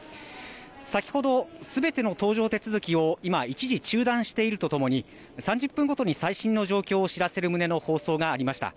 先ほどすべての搭乗手続きを今、一時、中断しているとともに３０分ごとに最新の状況を知らせる旨の放送がありました。